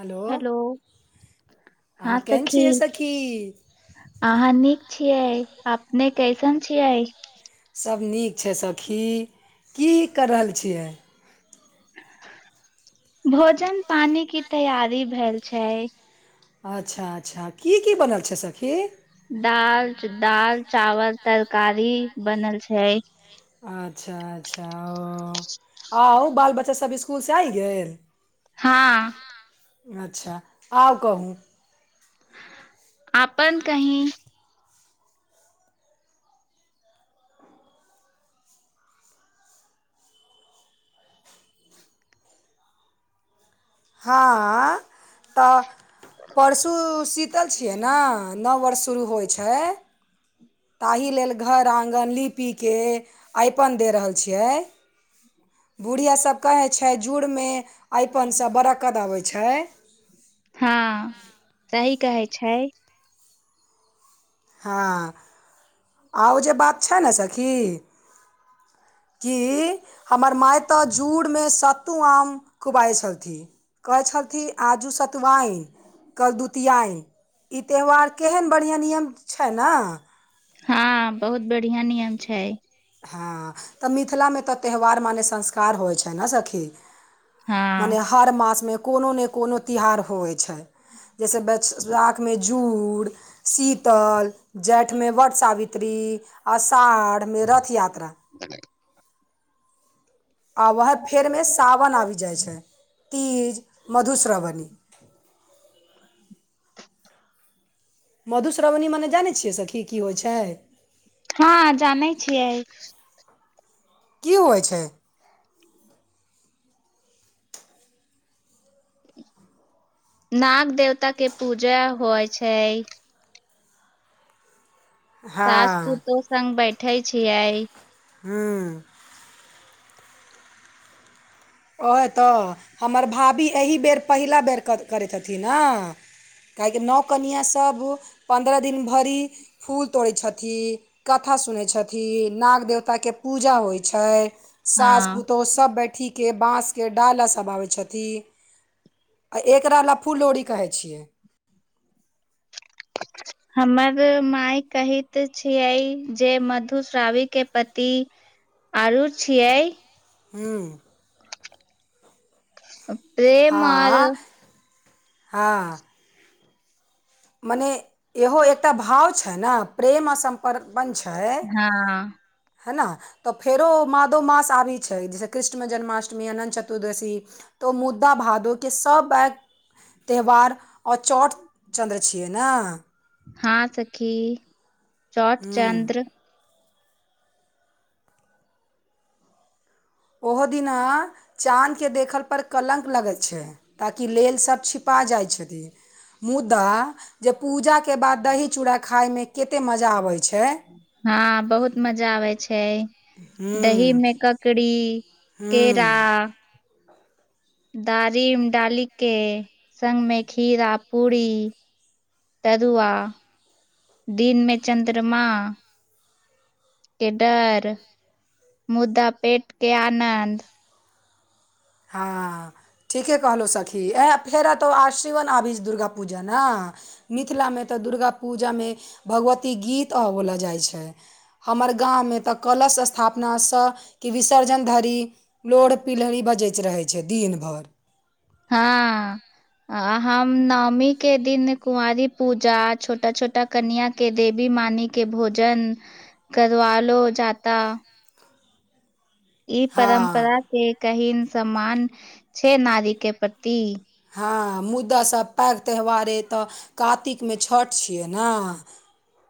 Hello हाँ हँ केहन सखी छियै सखी? अहाँ नीक छियै अपने कैसन छियै? सभ नीक छैय सखी की क रहल छियै? भोजन पानी की तैयारी भेल छैय। अच्छा अच्छा की की बनल छैय सखी? दाल दाल चावल तरकारी बनल छैय। अच्छा अच्छा ओ आउ बाल बच्चासभ स्कूलसँ आइ गेल? हँ अच्छा आओर कहूँ। अपन कहि। हँ तऽ परसू शीतल छियै ने नओ वर्ष शुरू होइ छैय। ताहि लेल घर आँगन लिपिके आइपन देऽ रहल छियै। बुढ़िया सभ कहै छैय जुड़मे अरिपनसँ बरकत अबैत छैय। हँ सही कहै छैय। हँ आ ओ जे बात छैय ने सखी की हमर माय तऽ जुड़मे सत्तू आम खुआइत छलथिन। कहै छलथि आजू सतुआइन कल दुतियाइ ई त्यौहार केहन बढ़ियाँ नियम छै ने हँ बहुत बढ़ियाँ नियम छै हँ तऽ मिथिलामे तऽ त्यौहार मानेे संस्कार होवै छै ने सखी हँ मने हर मास मे कोनो ने कोनो तिहार होइ छै जैसे बे [unintelligible] साख मे जुड़ शीतल जैठमे वट सावित्री अषाढ़मे रथयात्रा [inaudible] आ वैहे वएहे फेरमे सावन आबि जाइ छै तीज मधुश्रावणी [inaudible] मधुश्रावणी मने जानै छियै सखी की होइ छै हँ जानै छियै की होइ छै नाग देवता के पूजा होइ छै सास हँ पूतोह संग बैठे छियै हूँ ओहे तऽ हमर भाभी एहिबेर पहिला बेर करै हथिन न काहेकि नओ कनियाँ सभ पन्द्रह दिन भरि फूल तोड़ै छथिन कथा सुनै छथिन नाग देवताके पूजा होइ छै सास हँ पुतौह सब बैठीक के बाँसके डाला सब आबै छथिन आ एकरा ला फुललौरी कहै छियै [inaudible] हमर माय कहैत छियै जे मधुश्रावी के पति आरू छियै हूँ पे हँ हँ मने इहो एकटा भाव छै ने प्रेम आ सम पर बन छै हँ है न तऽ फेरो मादो मास आबैत छै जैसे कृष्ण जन्माष्टमी अनन्त चतुर्दशी तो मुद्दा भादो के सबै त्यौहार आ चौठ चन्द्र छियै ने हाँ सखी चौठचन्द्र ओहो दिना चाँद के देखल पर कलंक लगै छै ताकि लेल सब छिपा जाइ छथिन मुदा जे पूजाके बाद दही चूड़ा खायमे केते मजा आबैत छै हँ बहुत मजा आबे छै दही हूँ मे ककड़ी केरा हूँ दारीम डाली के संग मे खीरा पूड़ी तरूआ दिनमे चन्द्रमा के डर मुदा पेट के आनन्द हँ ठीके कहलहुँ सखी एह फेर एतय आश्रिवन आबी दुर्गा पूजा ने मिथिलामे तऽ दुर्गा पूजामे भगवती गीत आ होला जाइ छै हमर गाँवमे तऽ कलश स्थापनासँ कि विसर्जन धरि लोढ़ पिलहरी बजैत रहै छै दिन भरि हँ आ हम नओमी के दिन कुवांरी पूजा आ छोटा छोटा कन्या के देवी मानी के भोजन करवालो जाता ई हँ परम्परा के कहिन सम्मान छै नारी के प्रति हँ मुद्दासँ पैघ त्यौहार अ तय कातिकमे छठि छियै ने।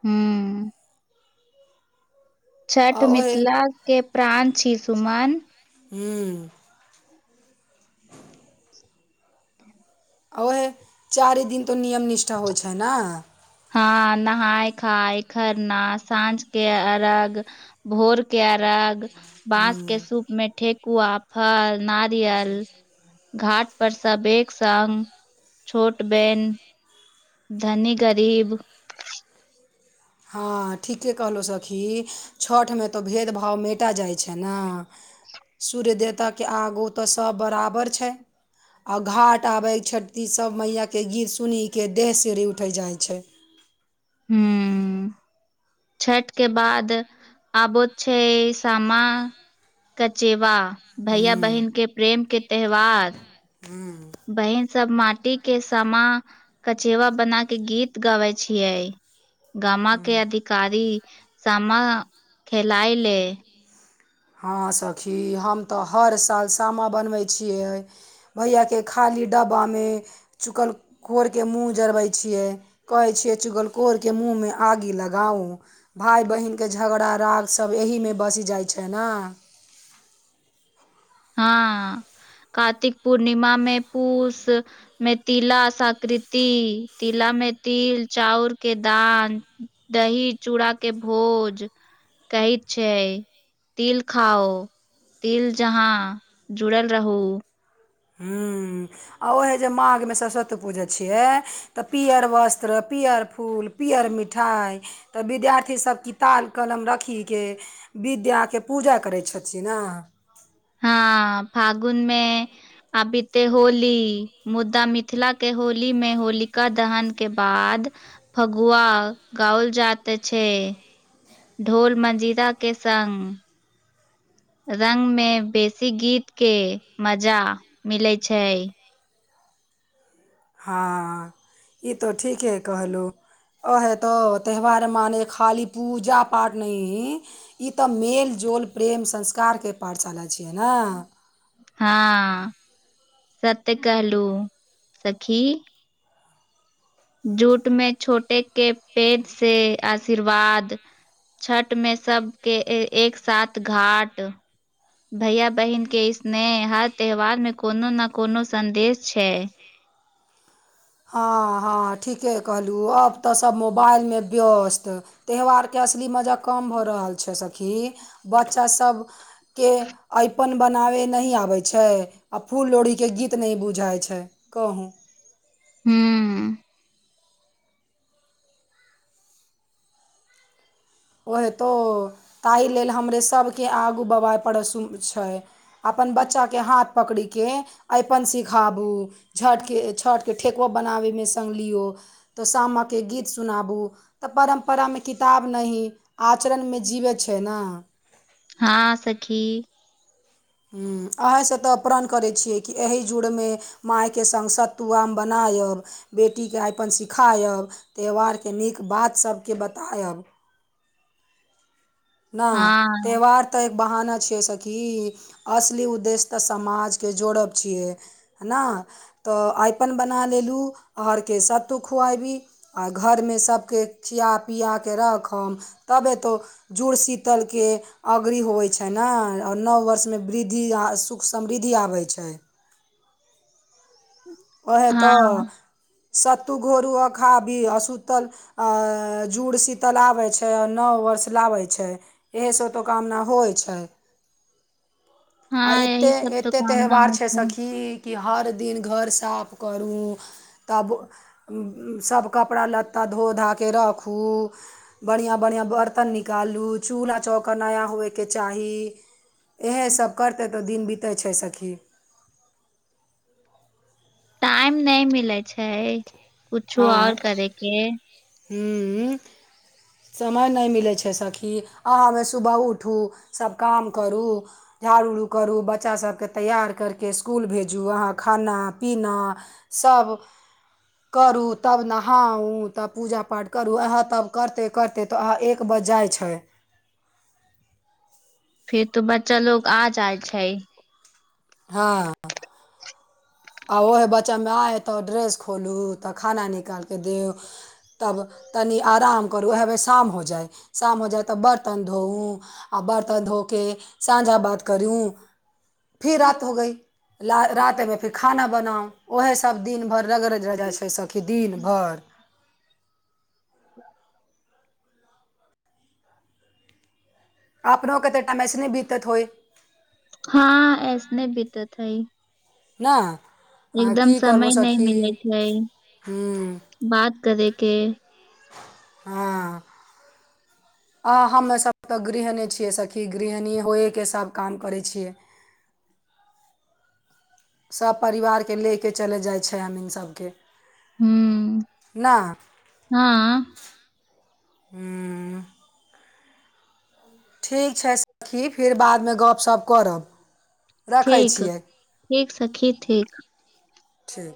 हू छठ आ ओहे मिथिलाके प्राण छीयै सुमन। हूँ आ ओएहे चारि दिन तऽ नियम निष्ठा होइत छैय ने। हँ नहाय खाय खरना साँझ के अर्घ भोर के अरग बाँंस के ह्म्म सूप में ठेेकुआ फल नारियल घाट पर सब एक संग छोट बेन धनी गरीब हँ ठीके कहलहुँ सखी छठिमे तऽ भेदभाव मिटा जाइ छैय ने सूर्य देवताके आगु तऽ सभ बराबर छैय। आओर घाट आबैक छठी सब मैयाके गित सुन देह सिहर उठै जाइ छैय। हू छठ के बाद आबैत छैय सामा कचेवा भैया हूँ बहिन के प्रेम के त्यौहार। हूँ बहिन सब माटी के सामा कचेवा बना के गीत गाबै छियै। गामा के हूँ अधिकारी सामा खेलाइ ले। हँ सखी हम तऽ हर साल सामा बनबै छियै। भैयाके खाली डब्बामे चुकल कोरके मूँह जरबै छियै कहै छियै चुगल खरके मूँहमे आगि लगाउ। भााय बहिनके झगड़ा राग सब एहिमे बस जाइ छैय ने। हँ कार्तिक पूर्णिमा मे पूस मे तिला सकृति तिला मे तिल चाउर के दान दही चूड़ा के भोज कहैत छैय तिल खाओ तिल जहाँ जुड़ल रहू। हूँ आ ओएहे जे माघमे सरस्वती पूजा छियै तऽ पियर वस्त्र पियर फूल पियर मिठाइ तऽ विद्यार्थी सभ किताल कलम रखी के विद्याके पूजा करैत छथिन ने। हँ फागुनमे आबीते में होली मुदा मिथिला के होली मे होलिका दहन के बाद फगुआ गाओल जाइत अछि। ढोल मजिरा के संग। रंग में बेसी गीत के मजा मिलै छैय। हँ ई तऽ ठीके कहलु। ओ हेतौ त्यौहार माने खाली पूजा पाठ नहि ई तऽ मेलजोल प्रेम संस्कारके पाठशाला छियै ने। हँ सत्य कहलु सखी जूट में छोटे के पैघ से आशीर्वाद छठ मे सबके ए एक साथ घाट भैया बहिनके स्नेह हर त्यौहारमे कोनो ने कोनो सन्देश छैय। हँ हँ ठीके कहलु अब तऽ सब मोबाइल में व्यस्त त्यौहार क असली मजा कम भऽ रहल छैय सखी बच्चासभ के अरिपन बनावे नहि आबय छैय आ फूल लोड़ही के गीत नहि बुझाय छैय कहू। हूँ ओहे तो ताहि लेल हमरे सभके के आगू बवाय पड़े छैय अपन बच्चा के हाथ पकड़ि के अरिपन सिखाबू छठिके छठिके ठेकुआ बनाबयमे सङ्ग लियौ त सामा के गीत सुनाबु त परम्परा मे किताब नहि आचरणमे जीबै छै ने हँ सखी हुं आयसँ तऽ प्रण करैत छियै कि एहि जुड़मे मायके संग सत्तुआमे बनायब बेटीके आइपन सिखायब त्यौहारके नीक बात सबके बतायब ना हँ त्यौहार तऽ एक बहाना छियै सखी असली उद्देश्य तऽ समाज के जोड़ब छियै ना तऽ अयपन बना लेलु आरके सभ तु खुऐबी आ घरमे सभके खिया पिया कऽ रखम तब एतौ जुड़ शीतलके अग्री होइत छै ने और नव वर्षमे वृद्धि आ सुख समृद्धि आबैत छै उएह तऽ हँ सत्तू घोरू आ खा आबी आ सूतल आ जुड़ शीतल आबै छै आ नव वर्ष लाबै छै इएहे सभ तो कामना होइ छै आ हँ एते यही सब तो एते कामना त्यौहार होइ छै सखी कि हर दिन घर साफ करू तब सभ कपड़ा लत्ता धो धा के राखू बढ़िआँ बढ़िआँ बरतन निकालू चूल्हा चौका नया होयके चाही एहे सभ करतै तऽ ओ दिन बीतै छै सखी टाइम नहि मिलै छै कुछो और करे के हूं समय नहि मिलै छै सखी अहाँमे सुबह उठ उठू सभ काम करू झाड़ू उड़ू करू बच्चासभकेँ तैयार करि कऽ स्कुल भेजू अहाँ खाना पीना सब करू तब नहाउ तब पूजा पाठ करू अहे तब करते करते तऽ अह एक बज जाइ छै फीर तो बच्चा लोग आ जाइ छै हँ आ ओहे बच्चामे आये तऽ ओ ड्रेस खोलू तऽ खाना निकालि कऽ देयौ तब तनि आराम करू उएह मे शाम हो जाय शाम हो जाइ तऽ बरतन धोउ आ बरतन धोके साँझा बाती करू फिर रात हो गई ला रातमे फेर खाना बनाउ ओहे सब दिन भरि रगड़ जाइ छै सखी दिन भरि [inaudible] अपनो के त टाइम अइसने बीतत होइ हँ ऐसने भीतत हई नहि आँ की समय करबै नहि सखी मिलै छै हुं बात करे के हँ आ हममे सभ तऽ गृहणी छियै सखी गृहणी होइएके सभ काम करै छियै सभ परिवारके ले के चलि जाइ छै हमी सभके हूँ ना हँ हुं ठीक छै सखी फेर बादमे गपशप करब रखै ठीक छियै ठीक सखी ठीक ठीक